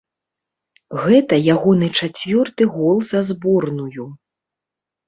Гэта ягоны чацвёрты гол за зборную.